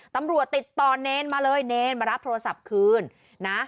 ตำรวจติดต่อเนรมาเลยเนรมารับโทรศัพท์คืนนะ